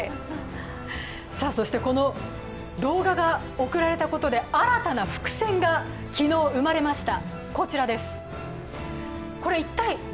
そして動画が送られたことで新たな伏線が昨日、生まれました。